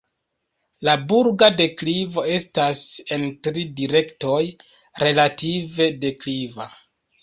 La burga deklivo estas en tri direktoj relative dekliva.